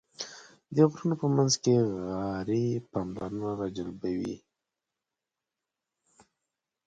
د غرونو په منځ کې غارې پاملرنه راجلبوي.